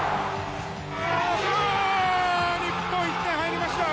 日本、１点入りました。